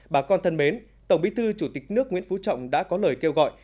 bà con thân mến tổng bí thư chủ tịch nước nguyễn phú trọng đã có lời kêu gọi